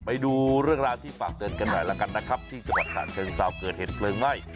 ไปดูเรื่องราวที่ฝากเตือนกันหน่อยแล้วกันนะครับที่จังหวัดฉะเชิงเซาเกิดเหตุเพลิงไหม้